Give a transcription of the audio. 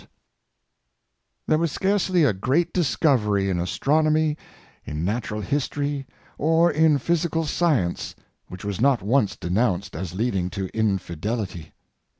There was scarcely a great discovery in astronomy, Mariyrs for Science, 447 in natural history, or in physical science, which was not once denounced as leading to infidelity.